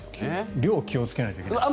量に気をつけないといけないですね。